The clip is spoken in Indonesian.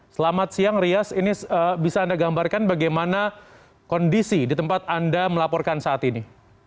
selamat siang rias ini bisa anda gambarkan bagaimana kondisi di tempat anda melaporkan saat ini